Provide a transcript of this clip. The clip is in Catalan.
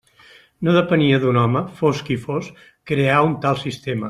No depenia d'un home, fos qui fos, crear un tal sistema.